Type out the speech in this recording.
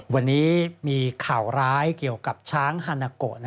วันนี้มีข่าวร้ายเกี่ยวกับช้างฮานาโก